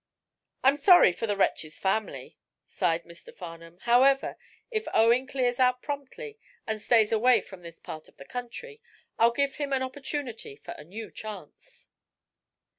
"I'm sorry for the wretch's family," sighed Mr. Farnum. "However, if Owen clears out promptly, and stays away from this part of the country, I'll give him an opportunity for a new chance."